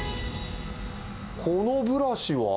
このブラシは？